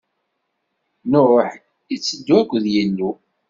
Nuḥ itteddu akked Yillu.